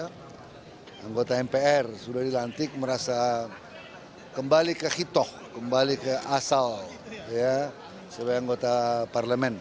karena anggota mpr sudah dilantik merasa kembali ke hitoh kembali ke asal sebagai anggota parlemen